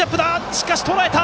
しかし、とらえた！